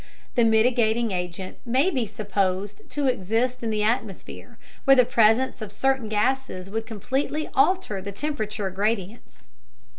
The mitigating agent may be supposed to exist in the atmosphere where the presence of certain gases would completely alter the temperature gradients.